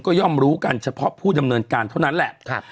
ก็ย่อมรู้กันเฉพาะผู้ดำเนินการเท่านั้นแหละ